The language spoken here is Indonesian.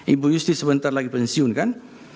ibu yusti sebentar lagi pensiun kan